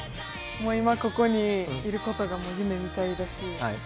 今、ここにいることが夢みたいだし。